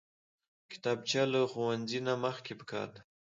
کتابچه له ښوونځي نه مخکې پکار ده